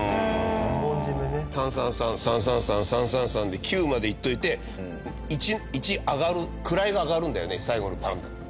３・３・３３・３・３３・３・３で９までいっておいて１上がる位が上がるんだよね最後の「パン！」で。